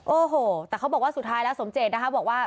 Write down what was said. โอ้โหแต่เขาบอกว่าสุดท้ายแล้วสมเจตนะคะบอกว่า